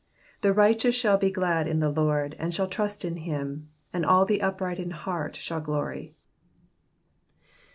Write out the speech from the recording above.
10 The righteous shall be glad in the Lord, and shall trust in him ; and all the upright in heart shall glory.